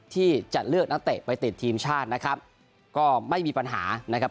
ที่จะเลือกนักเตะไปติดทีมชาตินะครับก็ไม่มีปัญหานะครับ